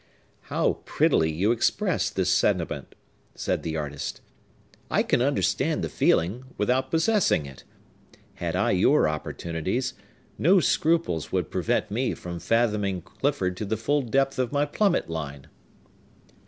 "How prettily you express this sentiment!" said the artist. "I can understand the feeling, without possessing it. Had I your opportunities, no scruples would prevent me from fathoming Clifford to the full depth of my plummet line!"